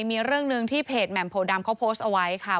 มีเรื่องหนึ่งที่เพจแหม่มโพดำเขาโพสต์เอาไว้ค่ะ